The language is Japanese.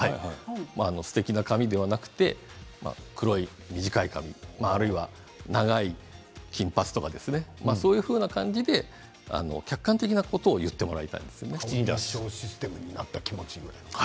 すてきな髪ではなくて黒い短い間にあるいは長い金髪とかそういう感じで客観的なことを言ってもらいたいですね。